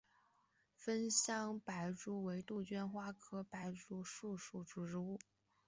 芳香白珠为杜鹃花科白珠树属的植物。